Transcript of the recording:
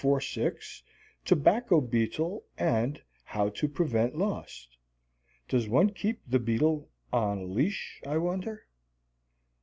846, "Tobacco Beetle and How to Prevent Loss." (Does one keep the beetle on a leash, I wonder?)